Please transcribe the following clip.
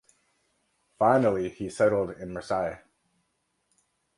Finally he settled in Marseilles.